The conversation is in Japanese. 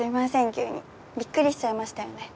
急にびっくりしちゃいましたよね